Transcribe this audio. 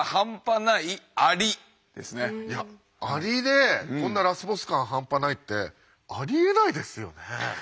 アリでこんなラスボス感ハンパないってありえないですよね？